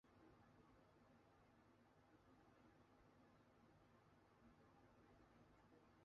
另外还有利物浦经马恩岛往贝尔法斯特的路线。